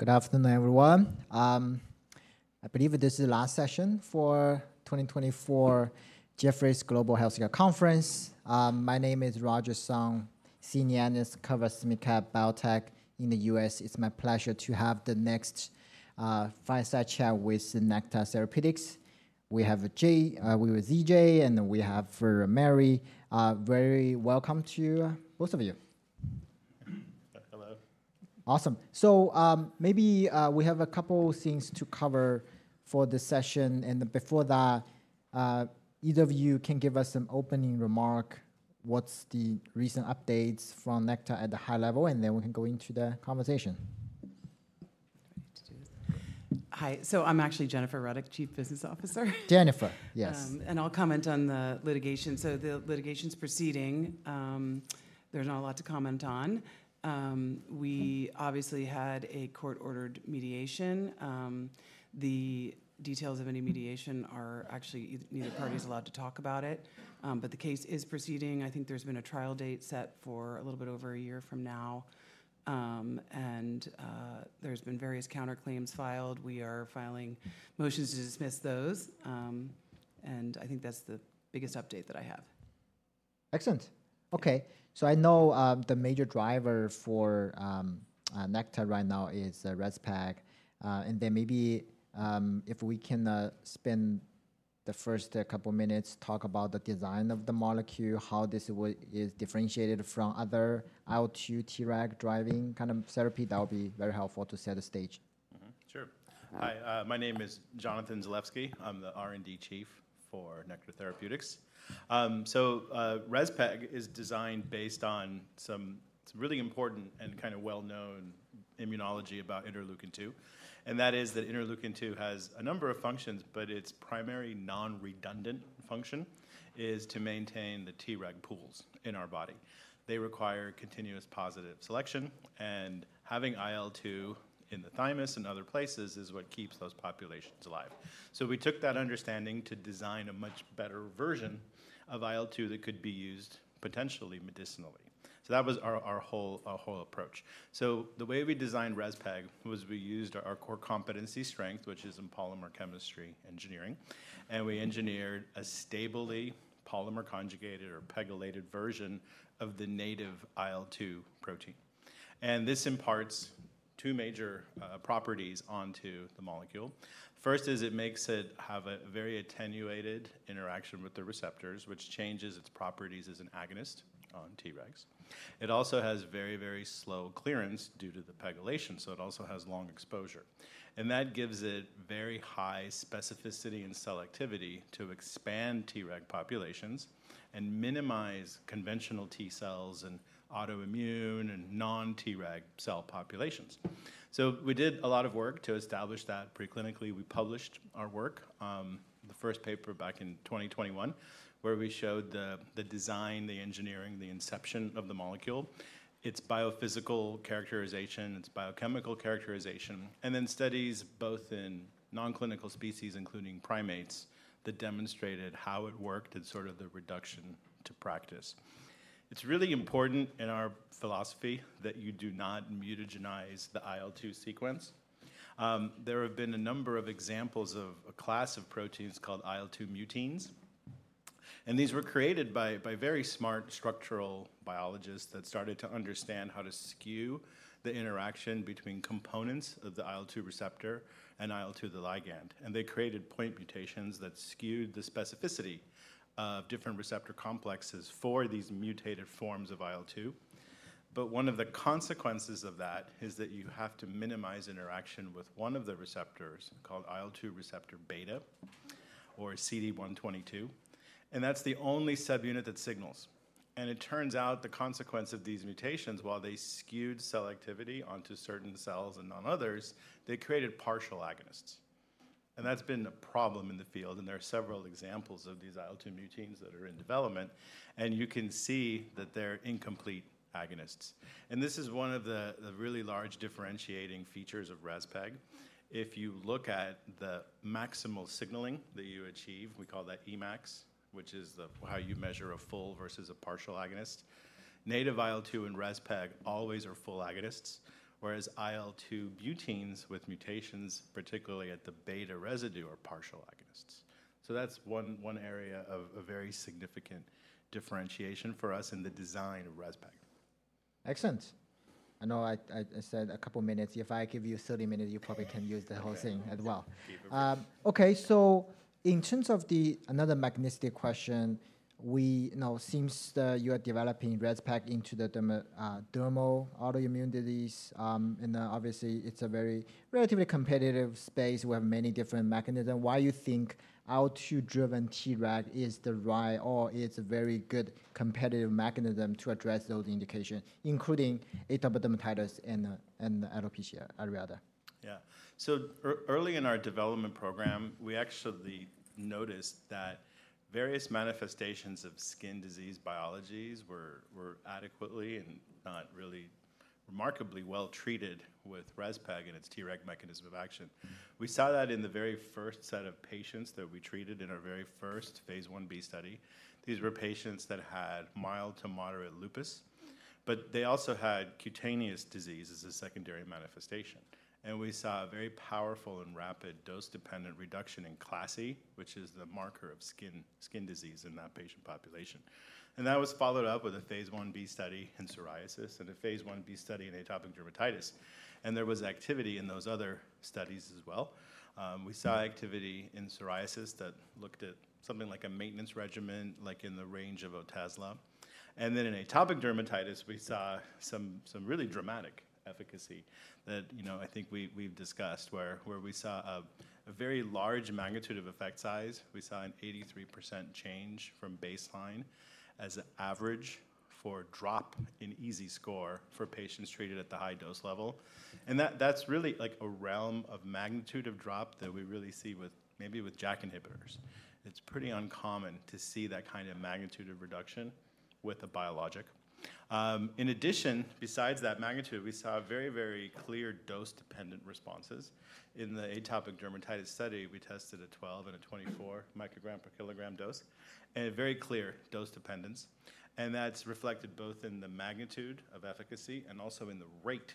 Good afternoon, everyone. I believe this is the last session for 2024 Jefferies Global Healthcare Conference. My name is Roger Song, senior analyst covers mid-cap biotech in the U.S. It's my pleasure to have the next, fireside chat with Nektar Therapeutics. We have Jay, we have ZJ, and we have for Mary. Very welcome to you, both of you. Hello. Awesome. So, maybe, we have a couple things to cover for this session, and before that, either of you can give us some opening remark. What's the recent updates from Nektar at the high level? And then we can go into the conversation. Hi. I'm actually Jennifer Ruddock, Chief Business Officer. Jennifer, yes. I'll comment on the litigation. The litigation's proceeding. There's not a lot to comment on. We obviously had a court-ordered mediation. The details of any mediation are actually neither party's allowed to talk about it. But the case is proceeding. I think there's been a trial date set for a little bit over a year from now. There's been various counterclaims filed. We are filing motions to dismiss those, and I think that's the biggest update that I have. Excellent. Okay, so I know, the major driver for Nektar right now is Rezpeg. And then maybe, if we can, spend the first couple minutes talk about the design of the molecule, how this is differentiated from other IL-2 Treg driving kind of therapy, that would be very helpful to set the stage. Mm-hmm. Sure. All right. Hi, my name is Jonathan Zalevsky. I'm the R&D Chief for Nektar Therapeutics. Rezpeg is designed based on some really important and kind of well-known immunology about interleukin-2, and that is that interleukin-2 has a number of functions, but its primary non-redundant function is to maintain the Treg pools in our body. They require continuous positive selection, and having IL-2 in the thymus and other places is what keeps those populations alive. We took that understanding to design a much better version of IL-2 that could be used potentially medicinally. That was our whole approach. The way we designed Rezpeg was we used our core competency strength, which is in polymer chemistry engineering, and we engineered a stably polymer conjugated or pegylated version of the native IL-2 protein. This imparts two major properties onto the molecule. First is it makes it have a very attenuated interaction with the receptors, which changes its properties as an agonist on Tregs. It also has very, very slow clearance due to the PEGylation, so it also has long exposure, and that gives it very high specificity and selectivity to expand Treg populations and minimize conventional T cells and autoimmune and non-Treg cell populations. So we did a lot of work to establish that preclinically. We published our work, the first paper back in 2021, where we showed the design, the engineering, the inception of the molecule, its biophysical characterization, its biochemical characterization, and then studies both in non-clinical species, including primates, that demonstrated how it worked and sort of the reduction to practice. It's really important in our philosophy that you do not mutagenize the IL-2 sequence. There have been a number of examples of a class of proteins called IL-2 muteins, and these were created by very smart structural biologists that started to understand how to skew the interaction between components of the IL-2 receptor and IL-2, the ligand. And they created point mutations that skewed the specificity of different receptor complexes for these mutated forms of IL-2. But one of the consequences of that is that you have to minimize interaction with one of the receptors, called IL-2 receptor beta or CD122, and that's the only subunit that signals. And it turns out the consequence of these mutations, while they skewed cell activity onto certain cells and not others, they created partial agonists, and that's been a problem in the field. And there are several examples of these IL-2 muteins that are in development, and you can see that they're incomplete agonists. This is one of the really large differentiating features of Rezpeg. If you look at the maximal signaling that you achieve, we call that Emax, which is how you measure a full versus a partial agonist. Native IL-2 and Rezpeg always are full agonists, whereas IL-2 muteins with mutations, particularly at the beta residue, are partial agonists. So that's one area of a very significant differentiation for us in the design of Rezpeg. Excellent. I know I said a couple minutes. If I give you 30 minutes, you probably can use the whole thing as well. Keep it brief. Okay, so in terms of another mechanistic question, it now seems that you are developing Rezpeg in the dermal autoimmune diseases, and obviously it's a very relatively competitive space. We have many different mechanism. Why you think IL-2 driven Treg is the right or it's a very good competitive mechanism to address those indications, including atopic dermatitis and alopecia areata? Yeah. So early in our development program, we actually noticed that various manifestations of skin disease biologies were adequately and not really remarkably well treated with Rezpeg and its Treg mechanism of action. We saw that in the very first set of patients that we treated in our very first Phase 1b study. These were patients that had mild to moderate lupus... but they also had cutaneous disease as a secondary manifestation. And we saw a very powerful and rapid dose-dependent reduction in CLASI, which is the marker of skin disease in that patient population. And that was followed up with a Phase 1b study in psoriasis and a Phase 1b study in atopic dermatitis, and there was activity in those other studies as well. We saw activity in psoriasis that looked at something like a maintenance regimen, like in the range of Otezla. Then in atopic dermatitis, we saw some really dramatic efficacy that, you know, I think we've discussed, where we saw a very large magnitude of effect size. We saw an 83% change from baseline as an average for drop in EASI score for patients treated at the high dose level. And that, that's really like a realm of magnitude of drop that we really see with maybe JAK inhibitors. It's pretty uncommon to see that kind of magnitude of reduction with a biologic. In addition, besides that magnitude, we saw a very clear dose-dependent responses. In the atopic dermatitis study, we tested a 12 and a 24 microgram per kilogram dose, and a very clear dose dependence. And that's reflected both in the magnitude of efficacy and also in the rate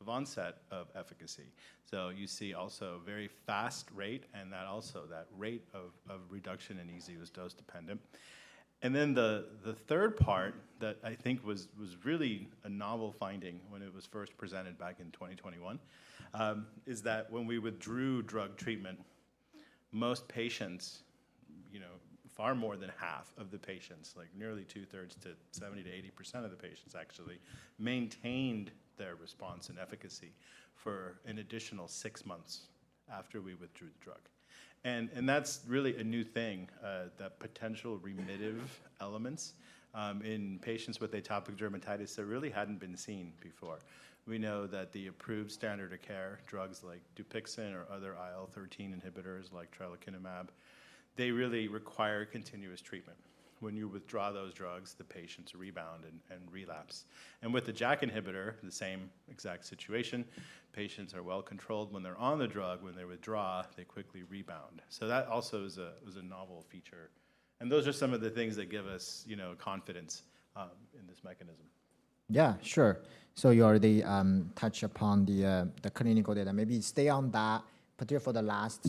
of onset of efficacy. So you see also very fast rate, and that rate of reduction in EASI was dose dependent. And then the third part that I think was really a novel finding when it was first presented back in 2021 is that when we withdrew drug treatment, most patients, you know, far more than half of the patients, like nearly two-thirds to 70%-80% of the patients actually maintained their response and efficacy for an additional six months after we withdrew the drug. And that's really a new thing, the potential remittive elements in patients with atopic dermatitis that really hadn't been seen before. We know that the approved standard of care, drugs like Dupixent or other IL-13 inhibitors like tralokinumab, they really require continuous treatment. When you withdraw those drugs, the patients rebound and relapse. With the JAK inhibitor, the same exact situation. Patients are well controlled when they're on the drug. When they withdraw, they quickly rebound. So that also was a novel feature. And those are some of the things that give us, you know, confidence in this mechanism. Yeah, sure. So you already touched upon the clinical data. Maybe stay on that, particularly for the last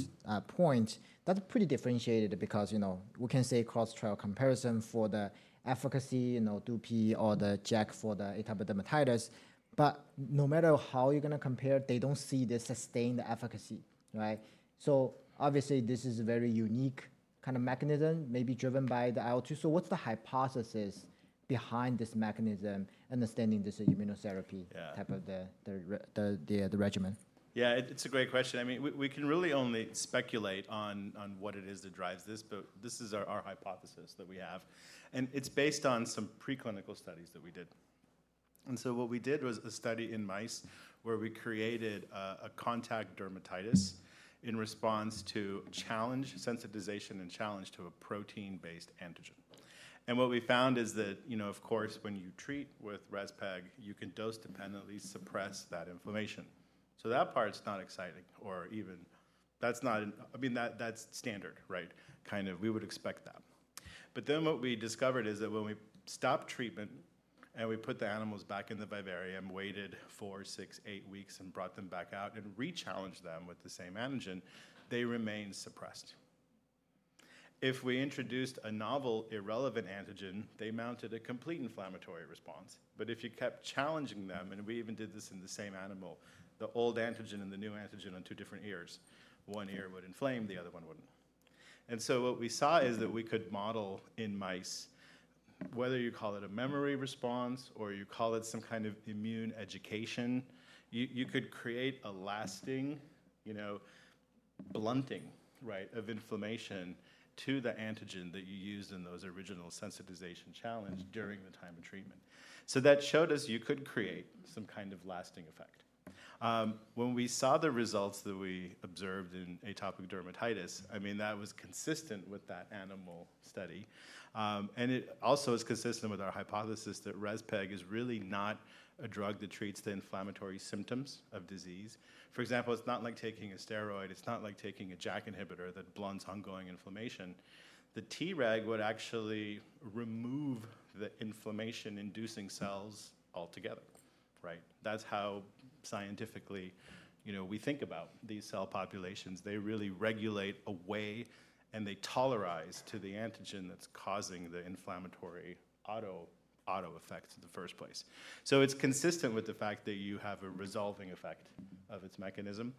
point. That's pretty differentiated because, you know, we can say cross trial comparison for the efficacy, you know, DUPI or the JAK for the atopic dermatitis. But no matter how you're gonna compare, they don't see the sustained efficacy, right? So obviously, this is a very unique kind of mechanism, maybe driven by the IL-2. So what's the hypothesis behind this mechanism, understanding this immunotherapy- Yeah... type of the regimen? Yeah, it's a great question. I mean, we can really only speculate on what it is that drives this, but this is our hypothesis that we have, and it's based on some preclinical studies that we did. And so what we did was a study in mice where we created a contact dermatitis in response to challenge, sensitization and challenge to a protein-based antigen. And what we found is that, you know, of course, when you treat with Rezpeg, you can dose-dependently suppress that inflammation. So that part's not exciting, or even. That's not an. I mean, that's standard, right? Kind of, we would expect that. But then what we discovered is that when we stopped treatment and we put the animals back in the vivarium, waited 4, 6, 8 weeks and brought them back out and re-challenged them with the same antigen, they remained suppressed. If we introduced a novel, irrelevant antigen, they mounted a complete inflammatory response. But if you kept challenging them, and we even did this in the same animal, the old antigen and the new antigen on 2 different ears, one ear would inflame, the other one wouldn't. And so what we saw is that we could model in mice, whether you call it a memory response or you call it some kind of immune education, you, you could create a lasting, you know, blunting, right, of inflammation to the antigen that you used in those original sensitization challenge- Mm-hmm... during the time of treatment. So that showed us you could create some kind of lasting effect. When we saw the results that we observed in atopic dermatitis, I mean, that was consistent with that animal study. And it also is consistent with our hypothesis that Rezpeg is really not a drug that treats the inflammatory symptoms of disease. For example, it's not like taking a steroid. It's not like taking a JAK inhibitor that blunts ongoing inflammation. The Treg would actually remove the inflammation-inducing cells altogether, right? That's how scientifically, you know, we think about these cell populations. They really regulate away, and they tolerize to the antigen that's causing the inflammatory auto effect in the first place. So it's consistent with the fact that you have a resolving effect of its mechanism.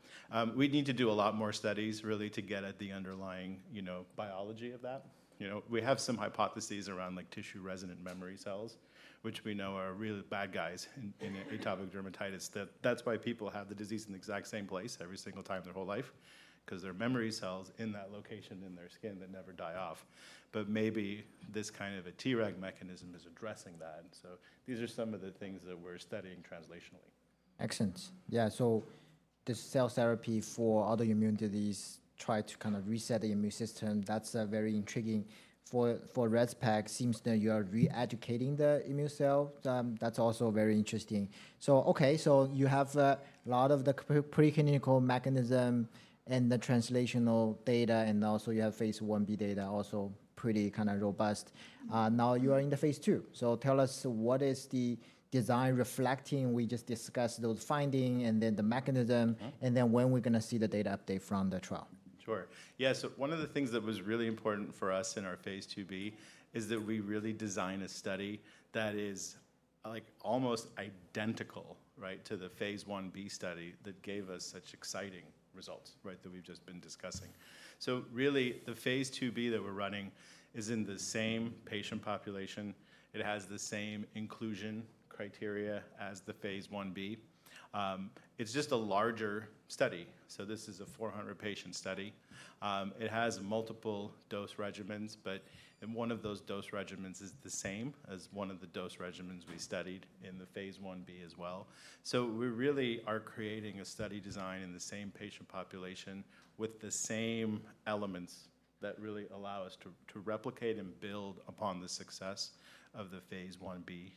We'd need to do a lot more studies really to get at the underlying, you know, biology of that. You know, we have some hypotheses around, like, tissue-resident memory cells, which we know are really bad guys in, in atopic dermatitis. That's why people have the disease in the exact same place every single time their whole life, 'cause they're memory cells in that location in their skin that never die off. But maybe this kind of a Treg mechanism is addressing that. So these are some of the things that we're studying translationally. Excellent. Yeah, so the cell therapy for other immune disease try to kind of reset the immune system. That's very intriguing. For Rezpeg, seems that you are re-educating the immune cell. That's also very interesting. So okay, so you have a lot of the preclinical mechanism and the translational data, and also you have Phase 1b data, also pretty kind of robust. Mm-hmm. Now you are in the Phase 2, so tell us, what is the design reflecting? We just discussed those findings and then the mechanism. Mm-hmm. When we're gonna see the data update from the trial? Sure. Yeah, so one of the things that was really important for us in our Phase 2b is that we really design a study that is like almost identical, right, to the Phase 1b study that gave us such exciting results, right, that we've just been discussing. So really, the Phase 2b that we're running is in the same patient population. It has the same inclusion criteria as the Phase 1b. It's just a larger study, so this is a 400-patient study. It has multiple dose regimens, but and one of those dose regimens is the same as one of the dose regimens we studied in the Phase 1b as well. So we really are creating a study design in the same patient population with the same elements that really allow us to replicate and build upon the success of the Phase 1b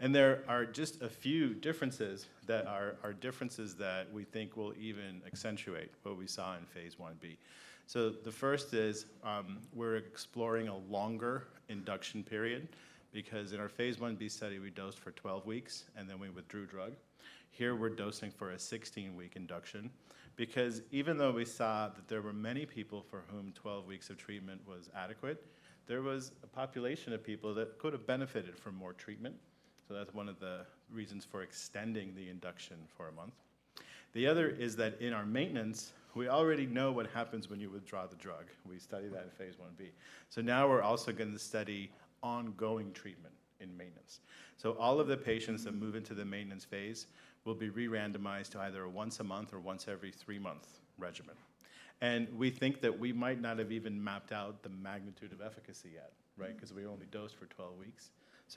data. There are just a few differences that are differences that we think will even accentuate what we saw in Phase 1b. So the first is, we're exploring a longer induction period, because in our Phase 1b study, we dosed for 12 weeks, and then we withdrew drug. Here, we're dosing for a 16-week induction, because even though we saw that there were many people for whom 12 weeks of treatment was adequate, there was a population of people that could have benefited from more treatment. So that's one of the reasons for extending the induction for a month. The other is that in our maintenance, we already know what happens when you withdraw the drug. We studied that in Phase 1b. So now we're also going to study ongoing treatment in maintenance. All of the patients that move into the maintenance phase will be re-randomized to either a once-a-month or once every 3-month regimen. We think that we might not have even mapped out the magnitude of efficacy yet, right? 'Cause we only dosed for 12 weeks.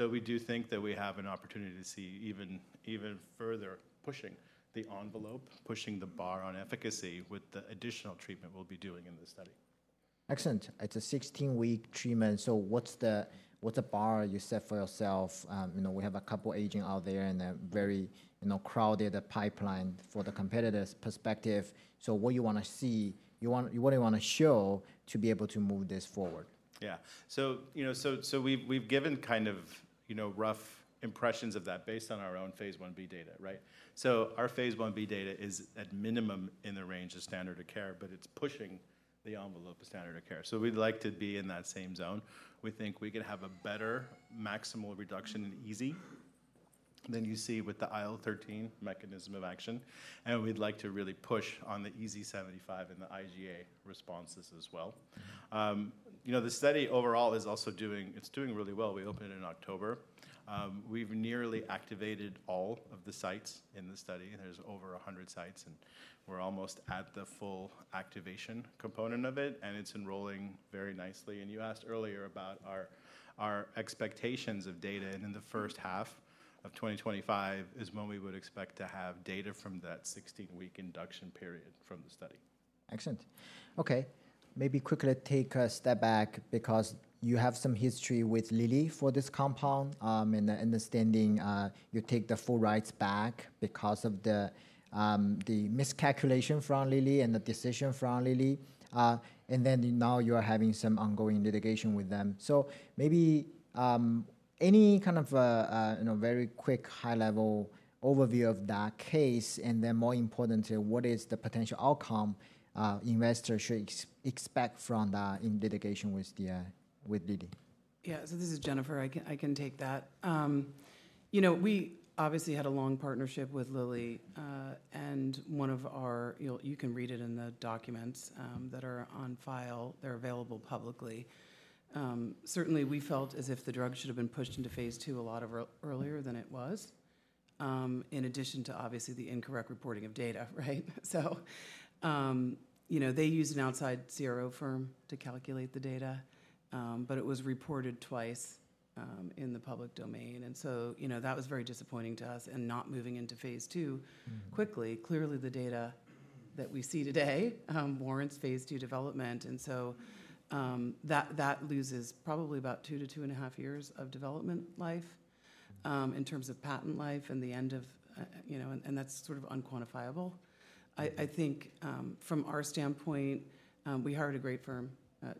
We do think that we have an opportunity to see even, even further pushing the envelope, pushing the bar on efficacy with the additional treatment we'll be doing in this study. Excellent. It's a 16-week treatment, so what's the, what's the bar you set for yourself? You know, we have a couple agents out there, and a very, you know, crowded pipeline for the competitor's perspective. So what you wanna see—you want, what do you wanna show to be able to move this forward? Yeah. So, you know, so, so we've, we've given kind of, you know, rough impressions of that based on our own Phase 1b data, right? So our Phase 1b data is, at minimum, in the range of standard of care, but it's pushing the envelope of standard of care. So we'd like to be in that same zone. We think we could have a better maximal reduction in EASI than you see with the IL-13 mechanism of action, and we'd like to really push on the EASI-75 and the IGA responses as well. You know, the study overall is also doing. It's doing really well. We opened in October. We've nearly activated all of the sites in the study, and there's over a hundred sites, and we're almost at the full activation component of it, and it's enrolling very nicely. You asked earlier about our expectations of data, and in the first half of 2025 is when we would expect to have data from that 16-week induction period from the study. Excellent. Okay, maybe quickly take a step back, because you have some history with Lilly for this compound, and the understanding, you take the full rights back because of the, the miscalculation from Lilly and the decision from Lilly. And then now you are having some ongoing litigation with them. So maybe, any kind of a, you know, very quick, high-level overview of that case, and then more importantly, what is the potential outcome, investors should expect from that in litigation with the, with Lilly? Yeah, so this is Jennifer. I can, I can take that. You know, we obviously had a long partnership with Lilly, and one of our... You can read it in the documents that are on file. They're available publicly. Certainly, we felt as if the drug should have been pushed into Phase 2 a lot earlier than it was, in addition to obviously the incorrect reporting of data, right? So, you know, they used an outside CRO firm to calculate the data, but it was reported twice in the public domain, and so, you know, that was very disappointing to us and not moving into Phase 2- Mm-hmm. -quickly. Clearly, the data that we see today warrants Phase 2 development, and so, that loses probably about 2-2.5 years of development life, in terms of patent life and the end of, you know, and that's sort of unquantifiable. Mm-hmm. I think from our standpoint, we hired a great firm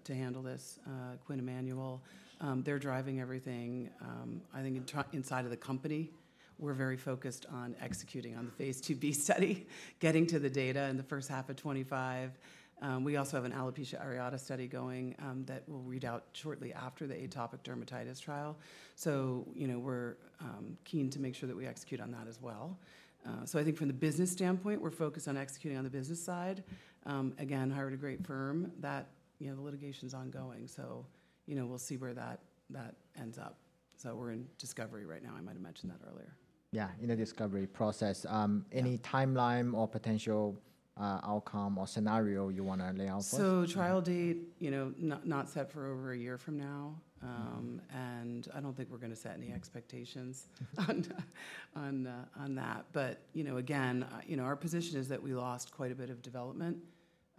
to handle this, Quinn Emanuel. They're driving everything. I think inside of the company, we're very focused on executing on the Phase 2b study, getting to the data in the first half of 2025. We also have an alopecia areata study going that will read out shortly after the atopic dermatitis trial. So, you know, we're keen to make sure that we execute on that as well. So I think from the business standpoint, we're focused on executing on the business side. Again, hired a great firm that... You know, the litigation's ongoing, so, you know, we'll see where that ends up. So we're in discovery right now. I might have mentioned that earlier. Yeah, in the discovery process. Yeah. Any timeline or potential outcome or scenario you wanna lay out for us? Trial date, you know, not set for over a year from now. Mm-hmm. And I don't think we're gonna set any expectations on that. But, you know, again, you know, our position is that we lost quite a bit of development,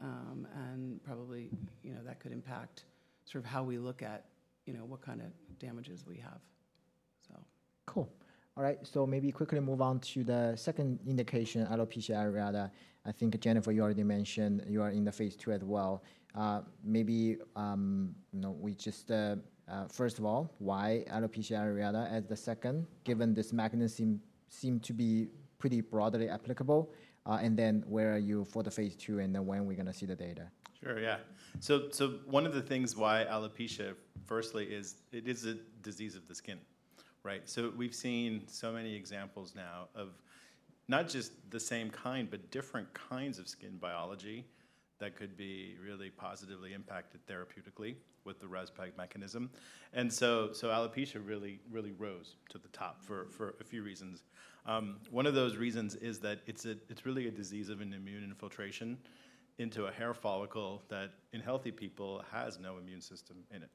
and probably, you know, that could impact sort of how we look at, you know, what kind of damages we have, so. Cool. All right, so maybe quickly move on to the second indication, alopecia areata. I think, Jennifer, you already mentioned you are in the Phase 2 as well. First of all, why alopecia areata as the second, given this mechanism seem to be pretty broadly applicable? And then, where are you for the Phase 2, and then when are we gonna see the data? Sure, yeah. So one of the things why alopecia, firstly, is it is a disease of the skin. Right. So we've seen so many examples now of not just the same kind, but different kinds of skin biology that could be really positively impacted therapeutically with the Rezpeg mechanism. And so alopecia really, really rose to the top for a few reasons. One of those reasons is that it's a—it's really a disease of an immune infiltration into a hair follicle that, in healthy people, has no immune system in it,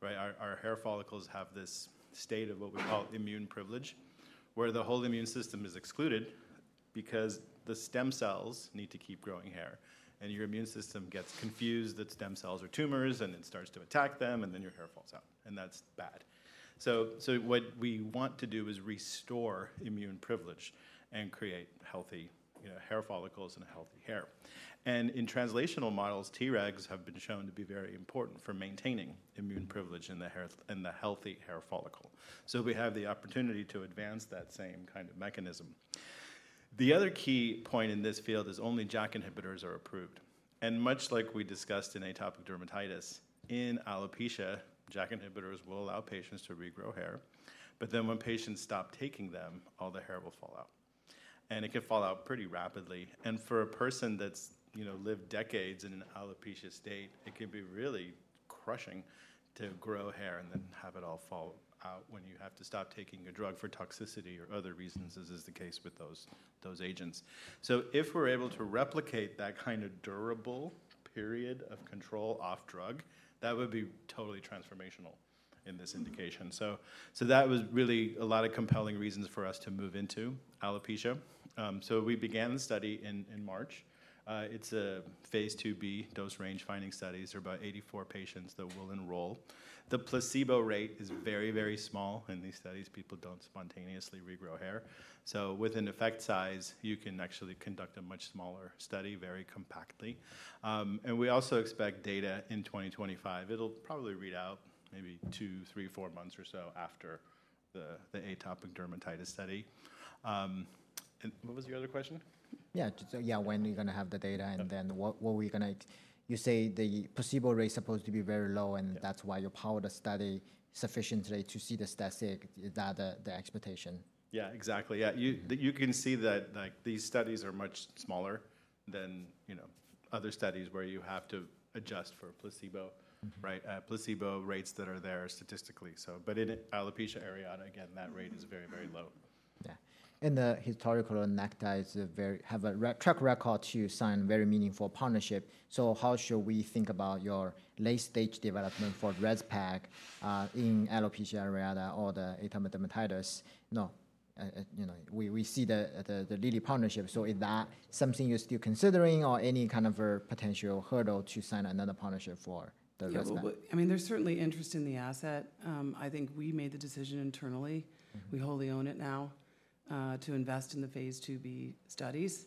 right? Our hair follicles have this state of what we call immune privilege, where the whole immune system is excluded because the stem cells need to keep growing hair, and your immune system gets confused that stem cells are tumors, and it starts to attack them, and then your hair falls out, and that's bad. So what we want to do is restore immune privilege and create healthy, you know, hair follicles and healthy hair. And in translational models, Tregs have been shown to be very important for maintaining immune privilege in the hair, in the healthy hair follicle. So we have the opportunity to advance that same kind of mechanism. The other key point in this field is only JAK inhibitors are approved. Much like we discussed in atopic dermatitis, in alopecia, JAK inhibitors will allow patients to regrow hair, but then when patients stop taking them, all the hair will fall out, and it can fall out pretty rapidly. For a person that's, you know, lived decades in an alopecia state, it can be really crushing to grow hair and then have it all fall out when you have to stop taking a drug for toxicity or other reasons, as is the case with those, those agents. So if we're able to replicate that kind of durable period of control off drug, that would be totally transformational in this indication. So, so that was really a lot of compelling reasons for us to move into alopecia. So we began the study in March. It's a Phase 2b dose-range finding studies. There are about 84 patients that we'll enroll. The placebo rate is very, very small in these studies. People don't spontaneously regrow hair, so with an effect size, you can actually conduct a much smaller study very compactly. And we also expect data in 2025. It'll probably read out maybe 2, 3, or 4 months or so after the atopic dermatitis study. And what was your other question? Yeah. So yeah, when are you gonna have the data? Okay. and then what, what were we gonna... You say the placebo rate is supposed to be very low. Yeah. And that's why you power the study sufficiently to see the statistic. Is that the expectation? Yeah, exactly. Yeah. You- Mm-hmm. You can see that, like, these studies are much smaller than, you know, other studies where you have to adjust for placebo, right? Placebo rates that are there statistically so... But in alopecia areata, again, that rate is very, very low. Yeah. The historical Nektar has a very great track record to sign very meaningful partnership. So how should we think about your late-stage development for Rezpeg in alopecia areata or the atopic dermatitis? You know, we see the leading partnership. So is that something you're still considering or any kind of a potential hurdle to sign another partnership for the Rezpeg? Yeah, well, I mean, there's certainly interest in the asset. I think we made the decision internally. Mm-hmm. We wholly own it now, to invest in the Phase 2b studies.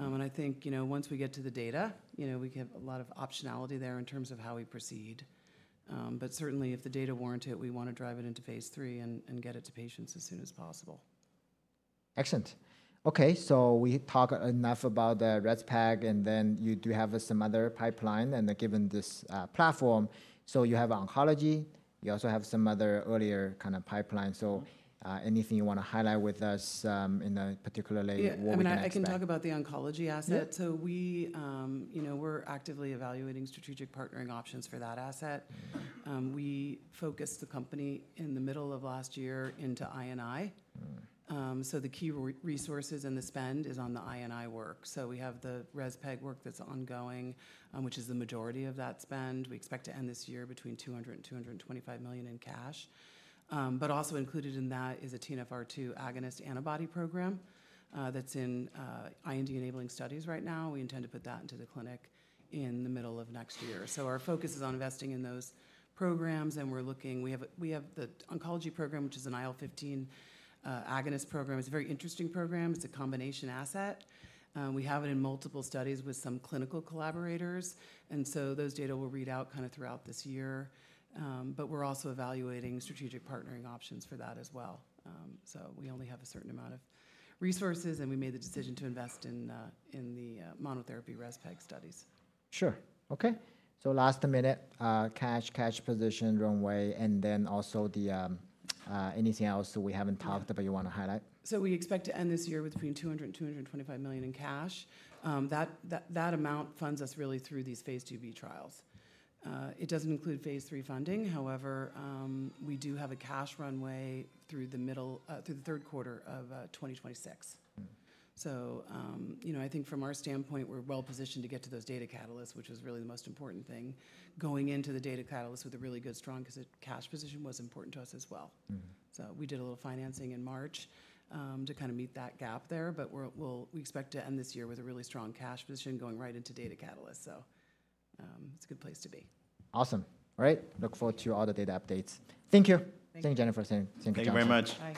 Mm-hmm. I think, you know, once we get to the data, you know, we can have a lot of optionality there in terms of how we proceed. But certainly, if the data warrant it, we want to drive it into Phase 3 and get it to patients as soon as possible. Excellent. Okay, so we talk enough about the Rezpeg, and then you do have some other pipeline, and given this platform, so you have oncology. You also have some other earlier kind of pipeline. Mm-hmm. So, anything you wanna highlight with us, in the particularly- Yeah... what we can expect? I mean, I can talk about the oncology asset. Yeah. We, you know, we're actively evaluating strategic partnering options for that asset. We focused the company in the middle of last year into I&I. Mm-hmm. So the key resources and the spend is on the I&I work. So we have the Rezpeg work that's ongoing, which is the majority of that spend. We expect to end this year between $200 million and $225 million in cash. But also included in that is a TNFR2 agonist antibody program, that's in IND-enabling studies right now. We intend to put that into the clinic in the middle of next year. So our focus is on investing in those programs, and we're looking-- We have, we have the oncology program, which is an IL-15 agonist program. It's a very interesting program. It's a combination asset. We have it in multiple studies with some clinical collaborators, and so those data will read out kinda throughout this year. But we're also evaluating strategic partnering options for that as well. So we only have a certain amount of resources, and we made the decision to invest in the monotherapy Rezpeg studies. Sure. Okay. So last minute, cash, cash position runway, and then also the, anything else that we haven't talked about... Mm... you wanna highlight? We expect to end this year with between $200 million and $225 million in cash. That amount funds us really through these Phase 2b trials. It doesn't include Phase 3 funding. Mm-hmm. However, we do have a cash runway through the middle, through the third quarter of 2026. Mm-hmm. So, you know, I think from our standpoint, we're well-positioned to get to those data catalysts, which is really the most important thing. Mm-hmm. Going into the data catalyst with a really good, strong cash, cash position was important to us as well. Mm-hmm. We did a little financing in March, to kind of meet that gap there, but we'll expect to end this year with a really strong cash position going right into data catalyst. It's a good place to be. Awesome. All right. Look forward to all the data updates. Thank you. Thank you. Thank you, Jennifer. Thank you, Jonathan. Thank you very much. Bye.